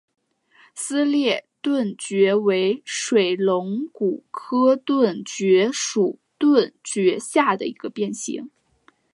撕裂盾蕨为水龙骨科盾蕨属盾蕨下的一个变型。